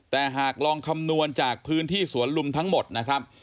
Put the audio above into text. แต่หากลองคำนวณจากพื้นที่สวนลุมทั้งหมดนะครับ